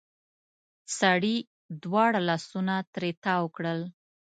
سړې دواړه لاسونه ترې تاو کړل.